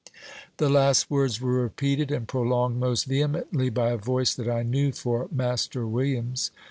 The last words were repeated and prolonged most vehemently by a voice that I knew for Master William's.